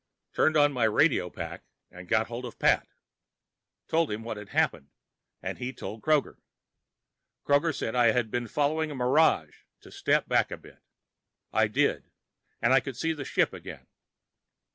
Turned on my radio pack and got hold of Pat. Told him what happened, and he told Kroger. Kroger said I had been following a mirage, to step back a bit. I did, and I could see the ship again.